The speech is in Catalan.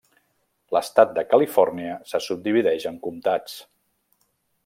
L'estat de Califòrnia se subdivideix en comtats.